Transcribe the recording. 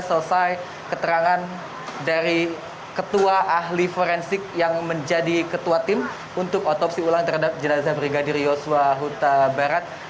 selesai keterangan dari ketua ahli forensik yang menjadi ketua tim untuk otopsi ulang terhadap jenazah brigadir yosua huta barat